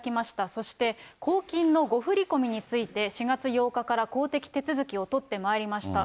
そして公金の誤振り込みについて、４月８日から公的手続きを取ってまいりました。